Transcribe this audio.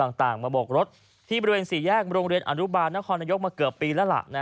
ต่างมาโบกรถที่บริเวณสี่แยกโรงเรียนอนุบาลนครนายกมาเกือบปีแล้วล่ะ